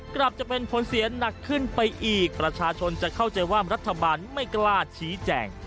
กลับจะเป็นผลเสียหนักขึ้นไปอีกประชาชนจะเข้าใจว่ารัฐบาลไม่กล้าชี้แจง